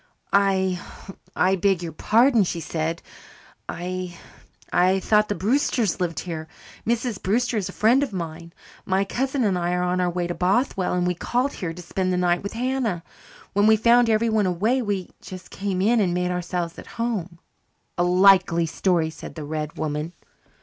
"I I beg your pardon," she said. "I I thought the Brewsters lived here. Mrs. Brewster is a friend of mine. My cousin and I are on our way to Bothwell and we called here to spend the night with Hannah. When we found everyone away we just came in and made ourselves at home." "A likely story," said the red woman.